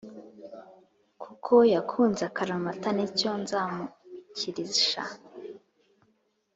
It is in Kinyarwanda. Kuko yankunze akaramata nicyo nzamukirisha